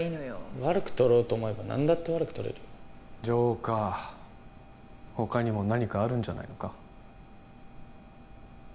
悪く取ろうと思えば何だって悪く取れるよジョーカー他にも何かあるんじゃないのか？